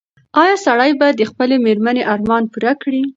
ایا سړی به د خپلې مېرمنې ارمان پوره کړي؟